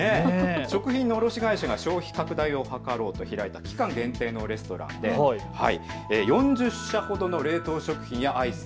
食品の卸会社が消費拡大を図ろうと開いた期間限定のレストランで４０社ほどの冷凍食品やアイス